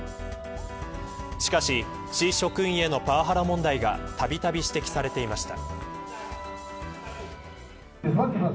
しかし市職員へのパワハラ問題がたびたび指摘されていました。